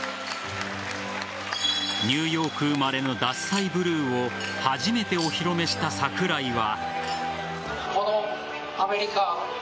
ニューヨーク生まれの獺祭ブルーを初めてお披露目した桜井は。